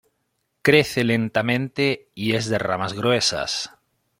Crece lentamente y es de ramas gruesas.